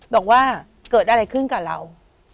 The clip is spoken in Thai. บอกว่าเกิดอะไรขึ้นกับเรา